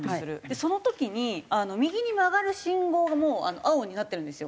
その時に右に曲がる信号がもう青になってるんですよ。